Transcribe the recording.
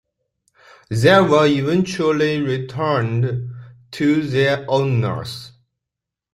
They were eventually returned to their owners.